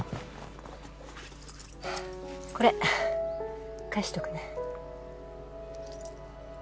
これ返しておくね。